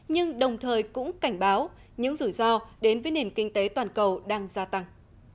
nhưng đồng thời cũng cảnh báo những rủi ro đến với nền kinh tế toàn cầu đang gia tăng